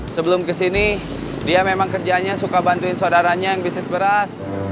sebelum kesini dia memang kerjanya suka bantuin saudaranya yang bisnis beras